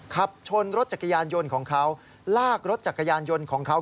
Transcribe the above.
ขับชนรถจักรยานยนต์ของเขาลากรถจักรยานยนต์ของเขา